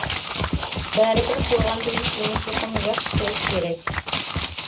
بەرىبىر قىلغاندىن كىيىن چوقۇم ياخشى قىلىش كېرەك.